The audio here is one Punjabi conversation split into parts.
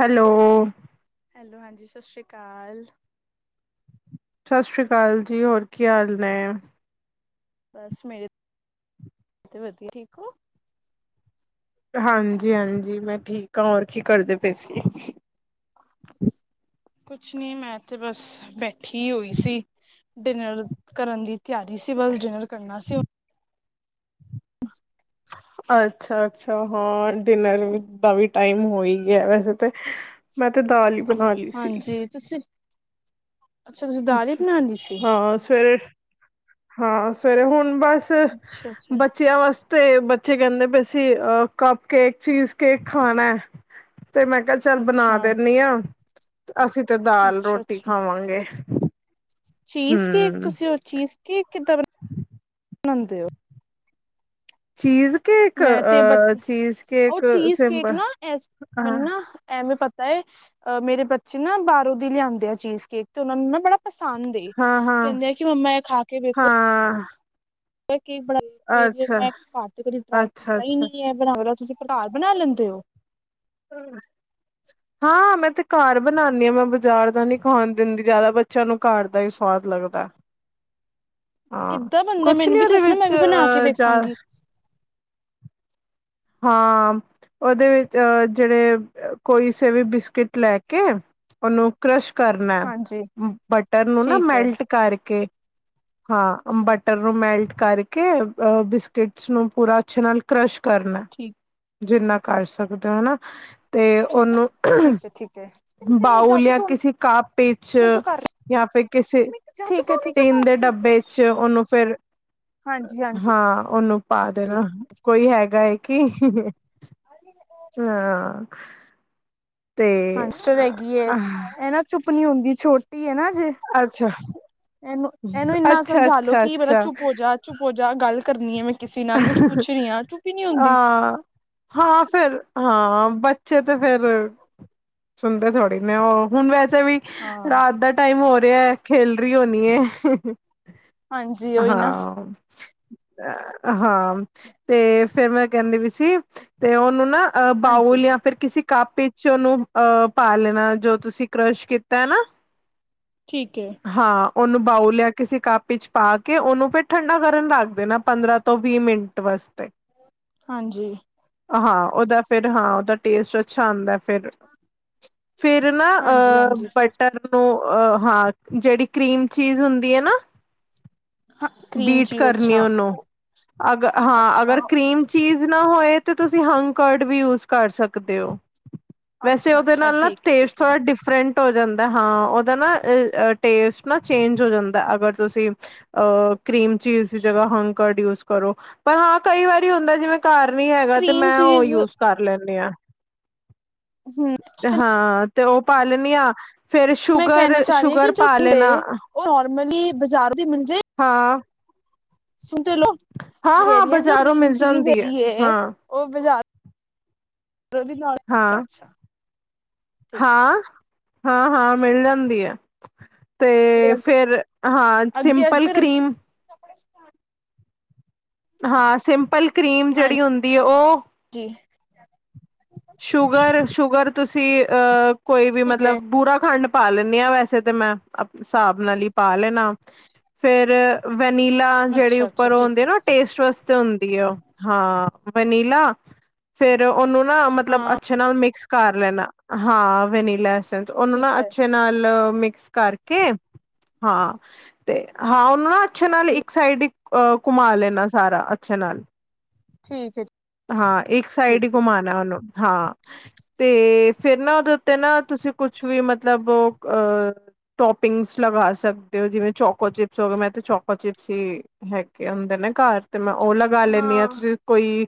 ਹੈਲੋ। ਹੈਲੋ, ਹਾਂਜੀ ਸਤਿ ਸ਼੍ਰੀ ਅਕਾਲ। ਸਤਿ ਸ਼੍ਰੀ, ਅਕਾਲ ਜੀ, ਹੋਰ ਕੀ ਹਾਲ ਨੇ। ਬਸ, ਮੈਂ ਤੇ ਵਧੀਆ ਠੀਕ ਹੋ? ਹਾਂਜੀ -ਹਾਂਜੀ, ਮੈਂ ਠੀਕ ਹਾਂ, ਹੋਰ ਕੀ ਕਰਦੇ ਪੇ ਸੀ? ਕੁਛ ਨੀ, ਮੈਂ ਤੇ ਬਸ ਬੈਠੀ ਹੋਈ ਸੀ, ਡਿਨਰ। ਕਰਨ ਦੀ ਤਿਆਰੀ ਸੀ, ਬਸ ਡਿਨਰ ਕਰਨਾ ਸੀ। ਅੱਛਾ -ਅੱਛਾ ਹਾਂ, ਡਿਨਰ ਦਾ ਵੀ ਟਾਈਮ ਹੋ ਹੀ ਗਿਆ ਵੈਸੇ ਤੇ ਮੈਂ, ਅਤੇ ਦਾਲ ਬਣਾ ਲਈ ਸੀ ਹਾਂਜੀ, ਤੁਸੀਂ। ਅੱਛਾ ਤੁਸੀਂ ਦਾਲ ਹੀ ਅੱਛਾ, ਬਣਾ ਲਈ ਸੀ ਹਾਂ ਸਵੇਰੇ ਹਾਂ, ਸਵੇਰੇ ਹੁਣ ਬਸ ਅੱਛਾ ਅੱਛਾ ਬੱਚਿਆਂ ਵਾਸਤੇ ਤੇ ਬੱਚੇ ਕਹਿੰਦੇ ਪਏ ਸੀ, ਕੱਪ ਕੇਕ ਚੀਜ ਕੇਕ, ਖਾਣਾ ਹੈ, ਤੇ ਮੈਂ ਕਿਹਾ ਚੱਲ, ਬਣਾ ਅੱਛਾ ਦਿੰਦੀ ਹਾਂ, ਅਸੀਂ ਤੇ ਦਾਲ ਅੱਛਾ ਰੋਟੀ ਅੱਛਾ ਖਾਵਾਂਗੇ ਚੀਜ਼ ਕੇਕ, ਹਮ ਤੁਸੀਂ ਉਹ ਚੀਜ਼ ਕੇਕ ਕਿੱਦਾਂ ਬਣਾਉਂਦੇ ਹੋ? ਚੀਜ਼ ਕੇ ਮੈਂ, ਤੇ ਬ, ਉਹ ਚੀਜ਼ ਕੇਕ ਸਿੰਪਲ ਨਾਲ ਨਾ, ਇਸ ਹਾਂ ਮੈਨੂੰ ਨਾ ਐਵੇਂ ਪਤਾ ਹੈ, ਅ ਮੇਰੇ ਬੱਚੇ ਨਾ, ਬਾਹਰੋਂ ਦੀ ਲਿਆਂਦੇ ਆ, ਚੀਜ਼ ਕੇਕ ਤੇ, ਉਹਨਾਂ ਨੂੰ ਨਾ ਬੜਾ ਪਸੰਦ ਹਾਂ ਹਾਂ ਕਹਿੰਦੇ ਆ, ਕਿ ਮੰਮਾ, ਇਹ ਖਾ ਕੇ ਵੇਖੋ ਹਾਂ ਕੇਕ ਬਣਾਕੇ, ਫਿਰ ਅੱਛਾ ਮੈਂ ਘਰ ਚ ਕਦੇ ਟਰਾਈ ਅੱਛਾ ਕੀਤਾ ਹੀ ਅੱਛਾ ਨਹੀਂ ਹੈ। ਬਣਾ ਲੋ, ਤੁਸੀਂ ਪਟਾਰ ਬਣਾ ਲੈਂਦੇ ਹੋ? ਹੂੰ। ਹਾਂ, ਮੈਂ ਤੇ ਘਰ ਬਣਾਉਦੀ ਹਾਂ, ਮੈਂ ਬਾਜ਼ਾਰ ਦਾ ਨੀ ਖਾਣ ਦਿੰਦੀ, ਜਿਆਦਾ ਬੱਚਿਆਂ ਨੂੰ ਘਰ ਦਾ ਹੀ ਸਵਾਦ ਲੱਗਦਾ ਹਾਂ, ਕਿੱਦਾਂ ਬਣਦਾ ਕੁਛ ਮੈਨੂੰ ਨੀ ਵੀ ਉਹਦੇ ਦੱਸਣਾ ਮੈਂ ਵਿੱਚ, ਵੀ ਬਣਾ ਕੇ ਅਹ ਜਾ ਵੇਖਾਂਗੀ ਹਾਂ, ਉਹਦੇ ਵਿੱਚ ਜਿਹੜੇ ਕੋਈ ਸੇਵੇ ਬਿਸਕਿਟ ਲੈ ਕੇ ਉਹਨੂੰ ਕਰਸ਼ ਕਰਨਾ, ਹਾਂਜੀ ਬਟਰ ਨੂੰ ਨਾ ਠੀਕ ਹੈ ਮੈਲਟ ਕਰਕੇ ਹਾਂ, ਬਟਰ ਨੂੰ ਮੈਲਟ ਕਰਕੇ, ਬਿਸਕਿਟਸ ਨੂੰ ਪੂਰਾ ਅੱਛੇ ਨਾਲ ਕਰਸ਼ ਕਰਨਾ ਠੀਕ। ਜਿੰਨਾ, ਕਰ ਸਕਦੇ ਹੋ ਹੋਨਾ ਤੇ, ਠੀਕ ਉਹਨੂੰ ਠੀਕ ਹੈ ਠੀਕ ਹੈ ਬਾਊਲ ਜਾਂ ਕਿਸੇ ਕਾਪੇ ਚ ਯਾ, ਫੇਰ ਕਿਸੇ, ਠੀਕ ਹੈ ਠੀਕ ਹੈ ਟੀਨ ਦੇ ਡੱਬੇ ਚ' ਉਹਨੂੰ ਫੇਰ ਹਾਂਜੀ ਹਾਂਜੀ ਹਾਂ, ਉਹਨੂੰ ਪਾ ਦੇਣਾ, ਕੋਈ ਹੈਗਾ ਏ ਹੈ ਕਿ? ਨਾਂ। ਹਾਂਸਟਰ ਹੈਗੀ, ਇਹਨਾਂ ਚੁੱਪ ਨੀ, ਹੁੰਦੀ ਛੋਟੀ ਹੈ, ਨਾ। ਜੇ ਅੱਛਾ। ਇਹਨੂੰ, ਇਹਨੂੰ ਇੰਨਾ ਅੱਛਾ ਸਮਝਾਲ ਲੋ ਅੱਛਾ ਕਿ ਪਤਾ ਅੱਛਾ ਚੁੱਪ ਹੋ ਜਾ, ਚੁੱਪ ਹੋ ਜਾ ਗੱਲ ਕਰਨੀ ਹੈ ਮੈਂ ਕਿਸੇ ਨਾਲ ਕੁੱਛ, ਪੁੱਛ ਰਹੀ ਹਾਂ, ਚੁੱਪੀ ਨੀ ਹੁੰਦੀ। ਹਾਂ ਹਾਂ, ਫੇਰ ਹਾਂ, ਬੱਚੇ ਤੇ ਫੇਰ ਸੁਣਦੇ ਥੋੜੀ ਨੇ, ਉਹ ਹੁਣ ਵੈਸੇ ਵੀ ਹਾਂ ਰਾਤ ਦਾ ਟਾਈਮ ਹੋ ਰਿਹਾ, ਖੇਲ ਰਹੀ ਹੋਨੀ ਏ। ਹਾਂਜੀ ਉਹੀ ਨਾ ਹਾਂ। ਹਾਂ, ਤੇ ਫੇਰ ਮੈਂ ਕਹਿੰਦੀ, ਵੀ ਸੀ, ਤੇ ਉਹਨੂੰ ਨਾ ਅ, ਹਾਂਜੀ ਬਾਯੁਲ ਯਾ। ਫਿਰ ਕਿਸੇ ਕੱਪ ਵਿੱਚ, ਉਹਨੂੰ ਅ ਪਾ ਲੈਣਾ ਜੋ ਤੁਸੀਂ ਕਰਸ਼ ਕੀਤਾ ਹੈ ਨਾ ਠੀਕ ਹੈ। ਹਾਂ ਉਹਨੂੰ ਬਾਊ ਲਿਆ ਕਿਸੇ ਕੱਪ ਵਿੱਚ ਪਾ ਕੇ, ਉਹਨੂੰ ਫਿਰ ਠੰਡਾ-ਕਰਨ ਰਖ ਦੇਣਾ ਪੰਦਰਾਂ ਤੋਂ ਵੀਹ ਮਿੰਟ ਵਾਸਤੇ। ਹਾਂਜੀ। ਹਾਂ, ਉਹਦਾ ਫਿਰ ਹਾਂ, ਉਹਦਾ ਟੇਸਟ ਅੱਛਾ ਆਉਂਦਾ ਫਿਰ ਫਿਰ ਨਾ ਹਾਂਜੀ ਅ ਹਾਂਜੀ ਫਿਰ ਬਟਰ ਨੂੰ ਅ ਹਾਂ, ਜਿਹੜੀ ਕਰੀਮ ਚੀਜ਼ ਹੁੰਦੀ ਹੈ ਨਾ ਹਾਂ ਕਰੀਮ ਬੀਟ ਚੀਜ਼ ਕਰਨੀ ਅੱਛਾ ਉਹਨੂੰ, ਅਗਰ ਹਾਂ ਅੱਛਾ ਅਗਰ ਕਰੀਮ ਚੀਜ਼ ਨਾ ਹੋਏ, ਤੇ ਤੁਸੀਂ ਹੰਗਕਡ ਵੀ ਯੂਜ ਕਰ ਸਕਦੇ ਹੋ। ਵੈਸੇ ਅੱਛਾ ਉਹਦੇ ਅੱਛਾ ਨਾਲ ਨਾ ਠੀਕ ਹੈ ਟੇਸਟ ਠੀਕ ਹੈ ਥੋੜਾ ਡਿਫਰੈਂਟ ਹੋ ਜਾਂਦਾ ਹਾਂ, ਉਹਦਾ ਨਾ ਟੇਸਟ ਨਾ ਚੇਂਜ ਹੋ ਜਾਂਦਾ, ਅਗਰ ਤੁਸੀਂ ਅਹ ਕਰੀਮ ਚ' ਦੀ ਜਗ੍ਹਾ, ਹੰਕਰਟ ਯੂਜ ਕਰੋ, ਪਰ ਹਾਂ ਕਈ ਵਾਰੀ ਹੁੰਦਾ ਜਿਵੇਂ ਘਰ ਨੀ ਹੈਗਾ, ਤੇ ਕਰੀਮ ਮੈਂ ਉਹ ਚੀਜ਼ ਯੂਜ ਕਰ ਲੈਂਦੇ ਆ। ਹਮ। ਹਾਂ, ਤੇ ਉਹ ਪਾ ਲੈਣੀ ਆ ਫੇਰ ਮੈਂ ਸ਼ੂਗਰ, ਕਹਿਣਾ ਚਾਹ ਰਹੀ ਹਾਂ ਕਿ ਸ਼ੂਗਰ ਜੋ ਪਾ ਲੈਣਾ, ਉਹ ਨੋਰਮਲੀ ਬਾਜ਼ਾਰੋਂ ਹਾਂ ਸੁਣ ਤੇ ਲਓ, ਹਾਂ-ਹਾਂ ਮੇਰੀਆਂ ਜੋ ਬਾਜ਼ਾਰੋਂ ਮੀਨ ਮਿਲ ਚੀਜ਼ ਜਾਂਦੀ ਐ। ਹੈਗੀ ਹੈ। ਹਾਂ, ਉਹ ਬਜਾਰੋਂ, [unintelligible] ਅੱਛਾ-ਅੱਛਾ। ਹਾਂ, ਹਾਂ ਹਾਂ, ਮਿਲ ਜਾਂਦੀ ਹੈ। ਤੇ ਫਿਰ ਹਾਂ, ਅੱਗੇ ਅੱਗੇ ਸਿੰਪਲ ਫਿਰ ਕਰੀਮ [unintelligible] ਹਾਂ, ਸਿੰਪਲ ਕਰੀਮ ਜਿਹੜੀ ਹੁੰਦੀ ਹੈ ਉਹ ਜੀ। ਸ਼ੂਗਰ, ਸ਼ੂਗਰ ਤੁਸੀਂ ਅਹ ਕੋਈ ਵੀ ਠੀਕ ਹੈ ਮਤਲਬ ਬੁਰਾ ਖੰਡ ਪਾ ਲੈਦੇ ਹਾਂ ਵੈਸੇ ਤੇ ਮੈਂ, ਆਪ ਹਿਸਾਬ ਨਾਲ ਹੀ ਪਾ ਲੈਣਾ। ਫੇਰ ਵੈਨੀਲਾ, ਜਿਹੜੇ ਅੱਛਾ ਅੱਛਾ ਉੱਪਰ ਉਹ ਠੀਕ ਹੁੰਦੇ ਹੈ ਨਾ ਟੇਸਟ ਵਸ ਹੁੰਦੀ ਉਹ ਹਾਂ, ਵਨੀਲਾ ਫੇਰ ਉਹਨੂੰ ਨਾ ਮਤਲਬ ਹਾਂ ਅੱਛ ਅੇ ਨਾਲ ਮਿਕਸ ਕਰ ਲੈਣਾ, ਹਾਂ ਵੈਨੀਲਾ 'ਚ, ਉਹਨੂੰ ਠੀਕ ਹੈ ਅੱਛੇ ਨਾਲ ਮਿਕਸ ਕਰਕੇ, ਹਾਂ, ਤੇ ਹਾਂ ਉਹਨੂੰ ਨਾ ਅੱਛੇ ਨਾਲ ਠੀਕ ਇੱਕ ਸਾਈਡ ਹੀ ਘੁਮਾ ਲੈਣਾ ਸਾਰਾ, ਅੱਛੇ ਨਾਲ ਠੀਕ ਹੈ ਹਾਂ, ਇੱਕ ਸਾਈਡ ਹੀ ਠੀਕ ਹੈ ਘੁੰਮਾਨਾ ਉਹਨੂੰ ਹਾਂ, ਤੇ ਫਿਰ ਨਾ ਉਹਦੇ ਉੱਤੇ ਨਾ, ਤੁਸੀਂ ਕੁਛ ਵੀ ਮਤਲਬ ਓਹ ਅ ਟੋਪਿੰਗਸ ਲਗਾ ਸਕਦੇ ਹੋ, ਜਿਵੇਂ ਚੋਕੋ ਚਿਪਸ ਹੋ ਗ ਮੈਂ ਤਾਂ ਚੋਕੋ ਚਿਪਸ ਹੀ ਹੈਕ, ਹੁੰਦੇ ਨੇ ਘਰ ਤੇ ਮੈਂ ਉਹ ਲਗਾ ਲੈਦੀ ਹਾਂ, ਤੁਸੀਂ ਕੋਈ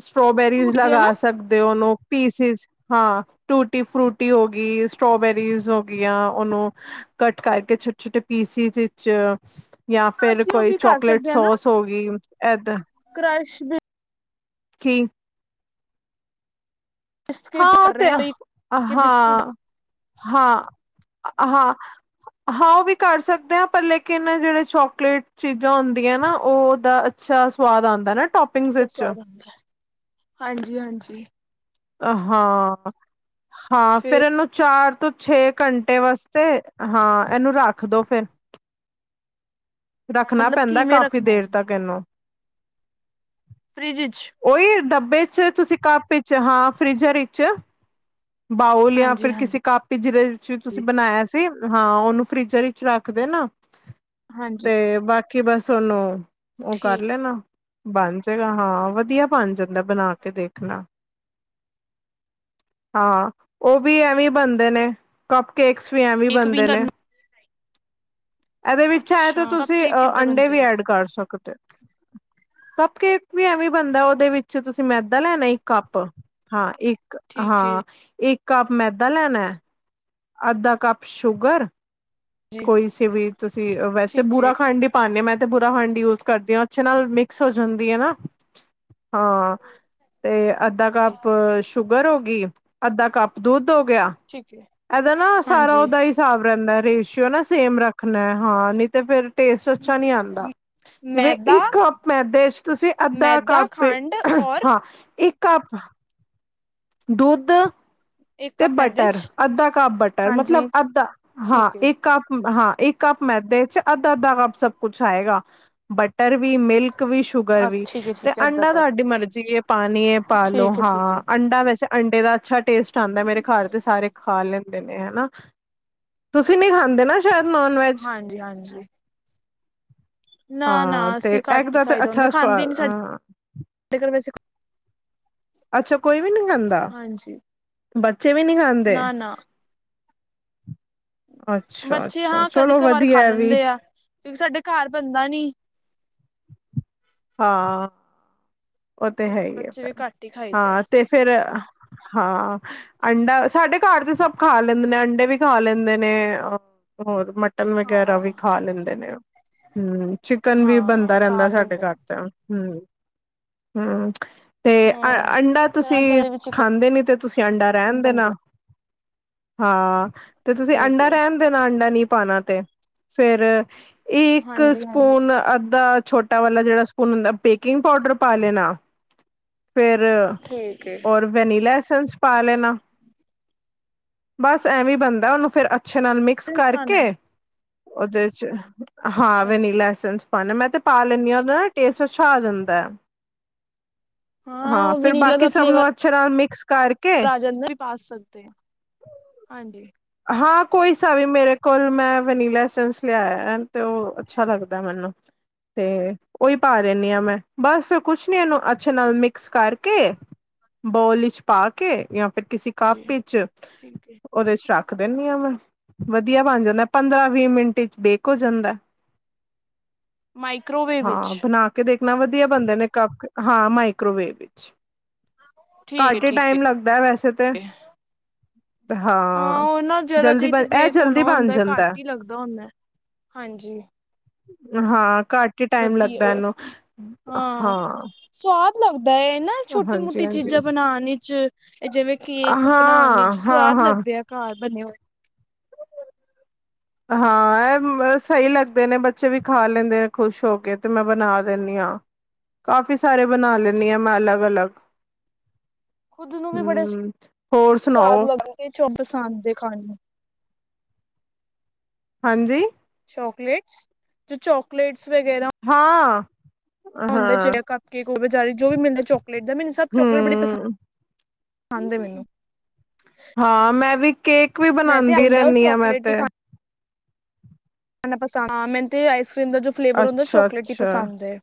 ਸਟ੍ਰੋਬੇਰੀਜ਼ ਟੂਟਦੇ ਆ ਨਾ ਲਗਾ ਸਕਦੇ ਤੇ ਉਹਨੂੰ ਪੀਸਿਸ ਹਾਂ ਟੂਟੀ ਫਰੂਟੀ ਹੋ ਗਈ, ਸਟ੍ਰੋਬੇਰੀਜ਼ ਹੋ ਗੀਆਂ ਉਹਨੂੰ ਕੱਟ ਕਰਕੇ ਛੋਟੇ-ਛੋਟੇ ਪੀਸਿਸ ਵਿੱਚ, ਜਾਂ ਫੇਿਰ ਅਸੀਂ ਉਹ ਕੋਈ ਵੀ ਕਰ ਚੋਕਲੇਟ ਸੋਸ ਹੋ ਵੀ, ਏਦਾਂ ਕ੍ਰਸ਼ ਵੀ ਠੀਕ। ਬਿਸਕਿਟ ਹਾਂ ਕਰ ਰਹੇ ਤੇ, ਹਾਂ ਕੇ ਬਿਸਕੁਟ ਹਾਂ, ਹਾਂ ਹਾਂ ਉਹ ਵੀ ਕਰ ਸਕਦੇ ਹ, ਪਰ ਲੇਕਿਨ ਜਿਹੜੇ ਚੋਕਲੇਟ ਚੀਜ਼ਾਂ ਹੁੰਦੀਆਂ ਨਾ ਉਹਦਾ ਅੱਛਾ ਸਵਾਦ ਆਉਂਦਾ ਨਾ ਟੋਪਿੰਗਸ ਅੱਛਾ ਵਿੱਚ ਸਵਾਦ ਹੁੰਦਾ, ਹਾਂਜੀ ਹਾਂਜੀ। ਹਾਂ, ਹਾਂ ਫੇਿਰ ਫੇਰ ਇਹਨੂੰ ਚਾਰ ਤੋਂ ਛੇ ਘੰਟੇ ਵਾਸਤੇ, ਹਾਂ ਇਹਨੂੰ ਰੱਖ ਦੋ ਫੇਿਰ ਰੱਖਣਾ ਮਤਲਬ ਪੈਂਦਾ ਕਿਵੇਂ ਕਾਫ਼ੀ ਰੱਖਣਾ ਹੈ ਦੇਰ ਤੱਕ ਇਹਨੂੰ। ਫ੍ਰਿਜ ਇਚ। ਓਹੀ ਡੱਬੇ ਚ ਤੁਸੀਂ ਕੱਪ ਵਿਚ ਹਾਂ ਫ੍ਰਿਜਰ ਵਿੱਚ। ਬਾਊਲ ਯਾ ਹਾਂਜੀ ਫਿਰ ਕਿਸੇ ਹਾਂਜੀ ਕੱਪ ਜਿਦੇ ਵਿੱਚ ਤੁਸੀਂ ਬਣਾਇਆ ਸੀ ਹਾਂ ਉਹਨੂੰ ਫ੍ਰਿਜਰ ਵਿੱਚ ਰੱਖ ਦੇਨਾ। ਹਾਂਜੀ ਤੇ ਬਾਕੀ ਬਸ ਉਹਨੂੰ ਉਹ ਕਰ ਠੀਕ ਲੈਣਾ। ਬਣ ਜਾਏਗਾ ਹਾਂ ਵਧੀਆ ਬਣ ਜਾਂਦਾ ਬਣਾ ਕੇ ਦੇਖਣਾ। ਹਾਂ ਉਹ ਵੀ ਐਵੇਂ ਬਣਦੇ ਨੇ ਕੱਪ ਕੇਕਸ ਵੀ ਐਵੇਂ ਕੇਕ ਵੀ ਬਣਦੇ ਨੇ। ਕਰਨਾ ਇਹਦੇ ਵਿੱਚ ਆ ਤੇ ਅੱਛਾ ਕੱਪ ਤੁਸੀਂ ਕੇਕ ਕਿੱਦਾਂ ਅੰਡੇ ਵੀ ਬਣਦੇ ਆ ਐਡ ਕਰ ਸਕਦੇ ਹੋ। ਕੱਪ ਕੇਕ ਵੀ ਐਵੇਂ ਬਣਦਾ ਉਹਦੇ ਵਿੱਚ ਤੁਸੀਂ ਮੈਦਾ ਲੈਣਾ ਇੱਕ ਕੱਪ। ਹਾਂ ਇੱਕ ਠੀਕ ਏ ਹਾਂ ਇੱਕ ਕੱਪ ਮੈਦਾ ਲੈਣਾ। ਅੱਧਾ ਕੱਪ ਸ਼ੂਗਰ ਜੀ ਕੋਈ ਸੀ ਵੀ ਤੁਸੀਂ ਵੈਸੇ ਠੀਕ ਏ ਬੁਰਾ ਖੰਡ ਹੀ ਪਾਨੀ ਹਾਂ ਮੈਂ ਤੇ ਬੁਰਾ ਹੰਡ ਯੂਜ ਕਰਦੀ ਹਾਂ ਅੱਛੇ ਨਾਲ ਮਿਕਸ ਹੋ ਜਾਂਦੀ ਹੈ ਨਾ। ਹਾਂ ਤੇ ਅੱਧਾ ਕੱਪ ਸ਼ੂਗਰ ਹੋ ਗੀ ਅੱਧਾ ਕੱਪ ਦੁੱਧ ਹੋ ਗਿਆ। ਠੀਕ ਹੈ। ਇਹਦਾ ਨਾ ਸਾਰਾ ਉਹਦਾ ਹੀ ਹਿਸਾਬ ਰਹਿੰਦਾ ਰੇਸ਼ੀਓ ਨਾ ਸੇਮ ਰੱਖਣਾ ਹਾਂ ਨੀ ਤੇ ਫਿਰ ਤੇਸਟ ਅੱਚਾ ਨੀ ਆਦਾ। ਜਿਵੇਂ ਮੈਦਾ ਇੱਕ ਕੱਪ ਮੈਦੇ ਚ ਤੁਸੀਂ ਅੱਧਾ ਮੈਦਾ ਕੱਪ ਖੰਡ ਔਰ ਹਾਂ ਇੱਕ ਕੱਪ ਦੁੱਧ ਇੱਕ ਤੇ ਕੱਪ ਮੈਦੇ ਬਟਰ ਚ ਅੱਧਾ ਕੱਪ ਬਟਰ ਮਤਲਬ ਹਾਂਜੀ ਅੱਧਾ ਹਾਂ ਠੀਕ ਏ ਇੱਕ ਕੱਪ ਹਾਂ ਇੱਕ ਕੱਪ ਮੈਦੇ ਚ ਅੱਧਾ--ਅੱਧਾ ਕੱਪ ਸਭ ਕੁਛ ਆਏਗਾ ਬਟਰ ਵੀ ਮਿਲ ਕ ਵੀ ਸ਼ੂਗਰ ਅ ਵੀ। ਠੀਕ ਏ ਤੇ ਠੀਕ ਏ ਏਦਾਂ ਅੰਡਾ ਕਰ ਤੁਹਾਡੀ ਮਰਜੀ ਏ ਪਾਣੀ ਏ ਪਾ ਲੋ ਠੀਕ ਏ ਠੀਕ ਏ ਹਾਂ ਅੰਡਾ ਵੈਸੇ ਅੰਡੇ ਦਾ ਅੱਛਾ ਟੇਸਟ ਆਦਾ ਮੇਰੇ ਘਰ ਦੇ ਸਾਰੇ ਖਾ ਲੈ ਨੇ ਹਨਾ, ਤੁਸੀਂ ਨੀ ਖਾਂਦੇ ਨਾ? ਨੋਨ ਵੈਜ ਹਾਂਜੀ-ਹਾਂਜੀ ਨਾ-ਨਾ ਹਾਂ ਅਸੀਂ ਤੇ ਐਗ ਘੱਟ ਹੀ ਤੇ ਖਾਈ ਦਾ ਉਹ ਨਾ ਅੱਛਾ ਖਾਂਦੀ ਸਵਾਦ ਨੀ ਸਾ ਅ ਵੈਸੇ ਕੋਈ ਅੱਛਾ ਕੋਈ ਵੀ ਨੀ ਖਾਂਦਾ ਹਾਂਜੀ ਬੱਚੇ ਵੀ ਨੀ ਖਾਂਦੇ? ਨਾ ਨਾ ਬੱਚੇ ਅੱਛਾ-ਅੱਛਾ ਹਾਂ ਕਦੀ ਚਲੋ ਕਵਾਰ ਖਾ ਵਧੀਆ ਐ ਵੀ। ਲੈਂਦੇ ਆ ਕਿਉਂਕਿ ਸਾਡੇ ਘਰ ਬੰਦਾ ਨੀ। ਹਾਂ ਉਹ ਤੇ ਹੈ ਹੀ ਆ ਬੱਚੇ ਵੀ ਫੇਰ ਘੱਟ ਹੀ ਖਾਈਦੇ ਆ ਹਾਂ ਤੇ ਫੇਰ ਹਾਂ ਅੰਡਾ ਸਾਡੇ ਘਰ ਚ ਸਭ ਖਾ ਲੈਂਦੇ ਨੇ ਅੰਡੇ ਵੀ ਖਾ ਲੈਂਦੇ ਨੇ ਅ ਹੋਰ ਮ ਟਨ ਵਗੈਰਾ ਵੀ ਹਾਂ ਖਾ ਲੈਂਦੇ ਨੇ ਹਮ ਚਿਕਨ ਵੀ ਹਾਂ ਬਣਦਾ ਰਹਿੰਦਾ ਖਾ ਸਾਡੇ ਲੈਂਦੇ ਘਰ। ਤਾਂ ਹੂੰ-ਹੂੰ। ਤੇ ਅ ਹਮ ਅੰਡਾ ਤਰ੍ਹਾਂ ਤੁਸੀਂ ਤਰ੍ਹਾਂ ਵੀ ਚਿਕਨ ਖਾਂਦੇ ਨੀ ਤੇ ਤੁਸੀਂ ਅੰਡਾ ਰਹਿਣ ਦੇਣਾ। ਬਣਦੇ ਹਾਂ ਤੇ ਤੁਸੀਂ ਠੀਕ ਅੰਡਾ ਹੈ ਰਹਿਣ ਦੇਣਾ ਅੰਡਾ ਨ ਪਾਣਾ ਤੇ ਫੇਰ ਇੱਕ ਹਾਂਜੀ ਹਾਂਜੀ ਸਪੂਨ ਅੱਧਾ ਛੋਟਾ ਵਾਲਾ ਜਿਹੜਾ ਸ ਪੂਨ ਹੁੰਦਾ ਬੇਕਿੰਗ ਪਾਊਡਰ ਪਾ ਲੈਣਾ ਫੇਰ ਠੀਕ ਹੈ ਔਰ ਵੈਨੀਲਾ ਐਸਸ ਪਾ ਲੈਣਾ। ਬਸ ਐਵੇਂ ਬਣਦਾ ਉਹਨੂੰ ਫੇਰ ਅੱਛੇ ਨਾਲ ਮਿਕਸ ਪਾਣਾ ਕਰਕੇ ਏ? ਉਹਦੇ ਚ ਹਾਂ ਅੱਛਾ ਅੱਛਾ ਵੈਨੀਲਾ ਐਸਸ ਪਾਨੇ ਮੈਂ ਤੇ ਪਾ ਲੈਂਦੀ ਹਾਂ ਉਹਦਾ ਟੇਸਟ ਅੱਛਾ ਆ ਜਾਂਦਾ ਹੈ। ਹਾਂ ਉਹ ਫਿਰ ਵੀਨੀਲਾ ਬਾਕੀ ਸਭ ਨੂੰ ਅਛੀ ਤਰਾ ਮਿਕਸ ਕਰਕੇ ਜੰਦਰ ਹੀ ਪਾ ਸਕਦੇ ਹ ਹਾਂਜੀ। ਹਾਂ। ਕੋਈ ਸਾ ਵੀ ਮੇਰੇ ਕੋਲ ਮੈਂ ਵਨੀਲਾ ਲਿਆਇਆ ਤੇ ਉਹ ਅੱਛਾ ਲੱਗਦਾ ਮੈਨੂੰ। ਤੇ। ਉਹੀ ਪਾ ਦਿੰਦੀ ਹਾਂ ਮੈਂ ਬਸ ਕੁਛ ਨੀ ਇਹਨੂੰ ਅੱਛੇ ਨਾਲ ਮਿਕਸ ਕਰਕੇ ਬੋਲ ਵਿੱਚ ਪਾ ਕੇ ਜਾਂ ਫਿਰ ਕਿਸੇ ਕੱਪ ਜੀ ਵਿੱਚ ਠੀਕ ਹੈ ਉਹਦੇ ਚ' ਰੱਖ ਰੱਖ ਦਿੰਦੀ ਹਾਂ ਮੈਂ ਵਧੀਆ ਬਣ ਜਾਂਦਾ ਪੰਦਰਾਂ- ਵੀਹ ਮਿੰਟ ਚ' ਬੇਕ ਹੋ ਜਾਂਦਾ। ਮਾਈਕ੍ਰੋਵੇਵ ਵਿੱਚ ਹਾਂ, ਬਣਾ ਕੇ ਕੇ ਦੇਖਣਾ ਵਧੀਆ ਬੰਦੇ ਨੇ ਕੱਪ ਹਾਂ, ਮਾਈਕ੍ਰੋਵੇਵ ਵਿੱਚ। ਠੀਕ ਹੈ ਘੱਟ ਹੀ ਠੀਕ ਟਾਈਮ ਲੱਗਦਾ ਹੈ ਵੈਸੇ ਤੇ ਹੈ ਹਾਂ। ਉਹ ਨਾ ਜਰਾ ਜਲਦੀ ਜੇ ਤੇ ਬਣ ਇਹ ਬੇਕ ਹੋਣਾ ਜਲਦੀ ਬਣ ਹੁੰਦਾ ਘੱਟ ਜਾਂਦਾ ਹੀ ਲੱਗਦਾ ਹੁੰਦਾ। ਹਾਂਜੀ। ਹਾਂ ਘੱਟ ਹੀ ਟਾਈਮ ਲੱਗਦਾ ਵਧੀਆ ਇਹਨੂੰ ਹਾਂ। ਸਵਾਦ ਲੱਗਦਾ ਏ। ਨਾ ਛੋਟੀ ਹਾਂਜੀ -ਮੋਟੀ ਹਾਂਜੀ ਚੀਜ਼ਾਂ ਬਣਾਉਣ ਇਚ ਇਹ ਜਿਵੇਂ ਕੇਕ ਬਣਾਉਣ ਹਾਂ ਇਚ' ਹਾਂ ਸਵਾਦ ਹਾਂ ਲੱਗਦੇ ਆ। ਘਰ ਬਣੇ ਹੋਣ। ਹਾਂ। ਇਹ ਸਹੀ ਲੱਗਦੇ ਨੇ ਬੱਚੇ ਵੀ ਖਾ ਲੈਂਦੇ ਨੇ ਖੁਸ਼ ਹੋ ਕੇ ਤੇ ਮੈਂ ਬਣਾ ਦਿੰਦੀ ਹਾਂ। ਕਾਫੀ ਸਾਰੇ ਬਣਾ ਲੈਂਣੀ ਆ ਹਾਂਜੀ ਮੈਂ ਅਲੱਗ -ਅਲੱਗ। ਖੁਦ ਨੂੰ ਵੀ ਬੜੇ ਹਮ ਹੋਰ ਸਵਾਦ ਸੁਣਾਓ ਲੱਗਦੇ ਜੋ ਪਸੰਦ ਦੇ ਖਾਣੇ। ਹਾਂਜੀ। ਚਾਕਲੇਟਸ ਜੋ ਚਾਕਲੇਟਸ ਵਗੈਰਾ ਹਾਂ। ਆਉਂਦੇ ਜ ਹਾਂ ਕਪ ਕੇਕ ਉਹ ਬਜ਼ਾਰੀ ਜੋ ਵੀ ਮਿਲਦੇ ਚ' ਚੋਕਲੇਟ ਦਾ ਮੈਨੂੰ ਸਭ ਚੋਕਲੇਟ ਬੜੀ ਪਸੰਦ, ਹਮ ਪਸੰਦ ਹੈ ਮੈਨੂੰ। ਹਾਂ ਮੈਂ ਵੀ ਕੇਕ ਵੀ ਮੈਂ ਤੇ ਬਣਾਦੀ ਹੁੰਦਾ ਉਹ ਰਹਿੰਦੀ ਹਾਂ ਮੈਂ ਚੋਕਲੇਟ ਤੇ ਪਸ ਹਾਂ ਮੈਨੂੰ ਆਈਸ ਕਰ੍ਰੀਮ ਦਾ ਜੋ ਫਲੇਵਰ ਹੁੰਦਾ ਅੱਛਾ ਚੋਕਲੇਟ ਹੀ ਅੱਛਾ। ਪਸੰਦ ਏ,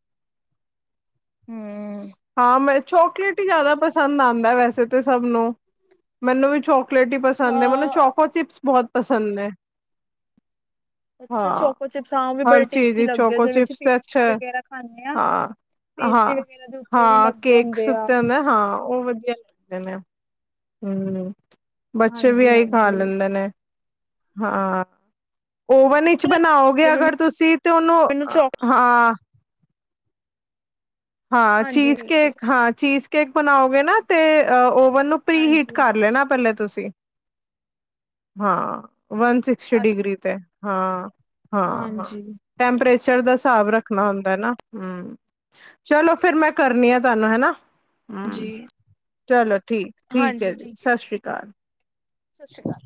ਹਮ। ਹਾਂ ਮੈਂ ਚੋਕਲੇਟ ਹੀ ਜ਼ਿਆਦਾ ਪਸੰਦ ਆਉਂਦਾ ਵੈਸੇ ਤਾਂ ਸਭ ਨੂੰ ਮੈਨੂੰ ਵੀ ਚੋਕ ਚੋਕਲੇਟ ਹੀ ਪਸੰਦ ਹੈ। ਮੈਨੂੰ ਹਾਂ ਚਕੋ ਚਿਪਸ ਬਹੁਤ ਪਸੰਦ ਹੈ। ਅੱਛਾ ਚਕੋ ਚਿਪਸ ਵੀ ਬੜੇ ਟੇਸਟੀ ਲੱਗਦੇ ਆ ਚੋਕੋ ਜਿ ਅਸੀਂ ਚਿਪਸ ਤੇ ਪੇਸਟ ਅੱਛਾ ਹੈ ਵਗੈਰਾ ਖਾਂਦੇ ਆ। ਹਾਂ ਪੇਸਟੀ ਹਾਂ। ਵਗੈਰਾ ਦੁਪ ਹਾਂ ਕੇਕਸ ਉੱਤੇ ਹੁੰਦੇ ਹਾਂ। ਉਹ ਵਧੀਆ ਹੁੰਦੇ ਨੇ ਹਮ ਬੱਚੇ ਵੀ ਹਾਂਜੀ ਐਈ ਖਾ ਹਾਂਜੀ ਲੈਂਦੇ ਨੇ। ਹਾਂ ਓਵਨ ਵਿੱਚ ਬਣਾਓਗੇ ਜਿਵੇਂ ਅਗਰ ਤੁਸੀਂ ਤੇ ਉਹਨੂੰ ਮੈਨੂੰ ਚੋਕ ਹਾਂ। ਹਾਂ, ਹਾਂਜੀ ਚੀਜ਼ ਠੀਕ ਹੈ ਕੇਕ ਹਾਂ, ਚੀਜ਼ ਕੇਕ ਬਣਾਓਗੇ ਨਾ ਤੇ ਓਵਨ ਨੂੰ ਪ੍ਰੀ ਹੀਟ ਹਾਂਜੀ ਕਰ ਲੈਣਾ ਪਹਿਲੇ ਤੁਸੀਂ। ਹਾਂ ਵਨ ਸਿਕਸਟੀ ਅੱ ਡਿਗਰੀ ਤੇ ਹਾਂ। ਹਾਂ-ਹਾਂ ਹਾਂਜੀ ਟੈਂਪਰੇਚਰ ਦਾ ਹਿਸਾਬ ਰੱਖਣਾ ਹੁੰਦਾ ਹੈ ਨਾ ਹਮ। ਚਲੋ ਫਿਰ ਮੈਂ ਕਰਨੀ ਆ ਤੁਹਾਨੂੰ ਹੈ ਨਾ ਹਮ, ਜੀ ਚਲੋ ਠੀਕ। ਠੀਕ ਹੈ ਹਾਂਜੀ ਜੀ। ਸਤਿ ਠੀਕ ਸ਼੍ਰੀ ਹੈ ਅਕਾਲ। ਸਤਿ ਸ਼੍ਰੀ ਅਕਾਲ।